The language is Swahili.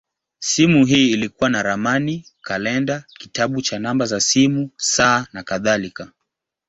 Simu hii ilikuwa na ramani, kalenda, kitabu cha namba za simu, saa, nakadhalika.